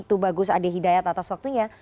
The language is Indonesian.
tubagus ade hidayat atas waktunya